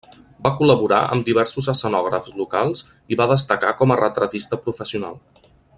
Va col·laborar amb diversos escenògrafs locals i va destacar com a retratista professional.